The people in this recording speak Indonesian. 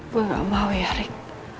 gue gak mau ya rick